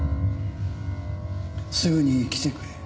「すぐに来てくれ」